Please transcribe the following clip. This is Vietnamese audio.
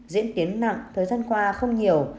diễn tiến nặng thời gian qua không nhiều